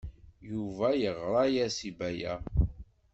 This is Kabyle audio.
Yuba yeɣra-as i Baya.